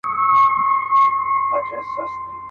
نیمه شپه روان د خپل بابا پر خوا سو.